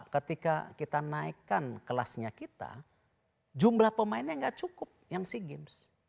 ketika kita naikkan kelasnya kita jumlah pemainnya nggak cukup yang sea games